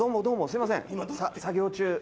すいません作業中。